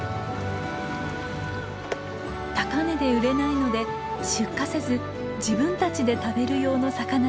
高値で売れないので出荷せず自分たちで食べる用の魚です。